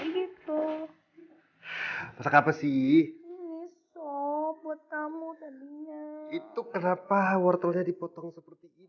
dari keterangan dua saksi yang baru kami terima